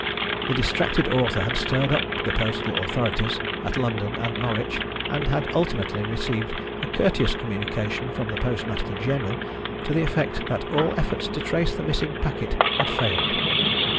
The distracted author had stirred up the postal authorities at London and Norwich, and had ultimately received a courteous communication from the Postmaster General to the effect that all efforts to trace the missing packet had failed.